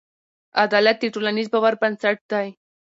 عدالت د ټولنیز باور بنسټ دی.